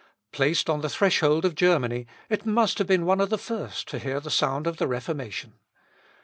Placed on the threshold of Germany, it must have been one of the first to hear the sound of the Reformation.